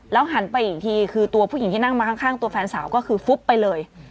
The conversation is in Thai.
หันไปอีกทีคือตัวผู้หญิงที่นั่งมาข้างตัวแฟนสาวก็คือฟุ๊บไปเลย